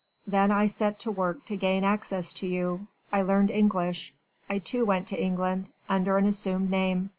Then I set to work to gain access to you.... I learned English.... I too went to England ... under an assumed name